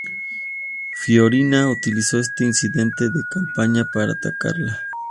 Fiorina utilizó este incidente de campaña para atacarla.